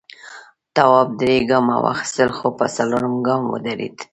تواب درې گامه واخیستل خو په څلورم گام ودرېد.